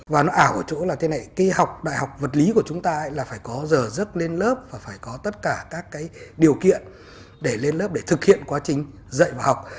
và nó ảo ở chỗ là thế này cái học đại học vật lý của chúng ta là phải có giờ dứt lên lớp và phải có tất cả các cái điều kiện để lên lớp để thực hiện quá trình dạy và học